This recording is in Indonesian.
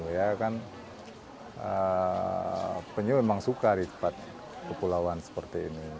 ya kan penyu memang suka di tempat kepulauan seperti ini